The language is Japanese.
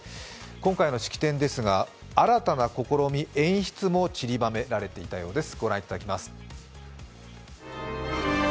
今回の式典ですが新たな試み、演出も散りばめられていたようです。